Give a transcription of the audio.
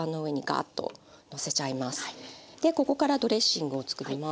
でここからドレッシングを作ります。